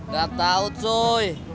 gak tau cuy